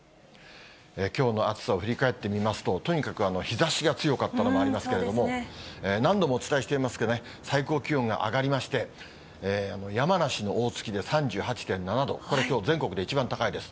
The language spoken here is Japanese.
きょうの暑さを振り返ってみますと、とにかく日ざしが強かったのもありますけれども、何度もお伝えしていますけど、最高気温が上がりまして、山梨の大月で３８．７度、これ、きょう、全国で一番高いです。